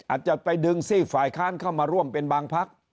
อาจจะไปดึงซีกฝ่ายค้านเข้ามาร่วมเป็นบางพัก